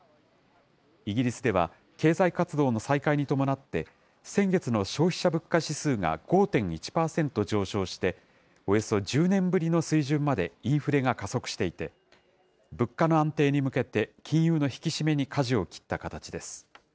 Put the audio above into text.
イギリスでは、経済活動の再開に伴って、先月の消費者物価指数が５．１％上昇して、およそ１０年ぶりの水準までインフレが加速していて、物価の安定に向けて金融の引き締めにかじを切った形です。